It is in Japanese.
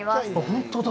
本当だ。